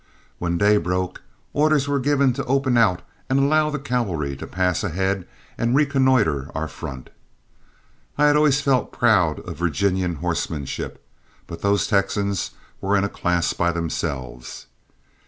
When day broke, orders were given to open out and allow the cavalry to pass ahead and reconnoitre our front. I had always felt proud of Virginian horsemanship, but those Texans were in a class by themselves.